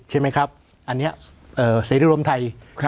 ใช่ไหมครับอันเนี้ยเอ่อเสรีรมไทยครับ